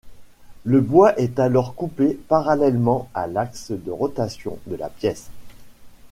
Le bois est alors coupé parallèlement à l'axe de rotation de la pièce.